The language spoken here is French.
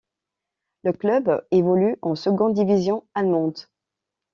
Le club évolue en seconde division allemande.